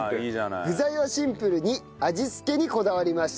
具材はシンプルに味付けにこだわりました。